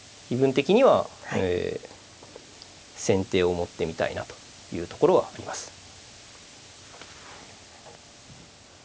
気分的には先手を持ってみたいなというところはあります。